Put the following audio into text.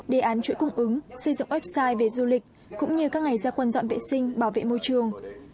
đề án chuỗi cung ứng xây dựng website về du lịch cũng như các ngày gia quân dọn vệ sinh bảo vệ môi trường